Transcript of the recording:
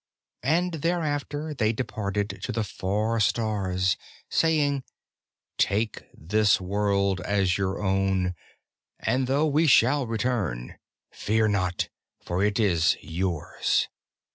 And thereafter they departed to the far stars, saying, Take this world as your own, and though we shall return, fear not, for it is yours.